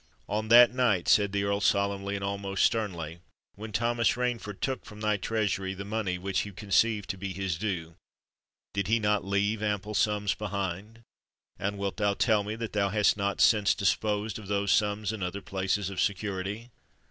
"On that night," said the Earl solemnly, and almost sternly, "when Thomas Rainford took from thy treasury the money which he conceived to be his due, did he not leave ample sums behind? and wilt thou tell me that thou hast not since disposed of those sums in other places of security?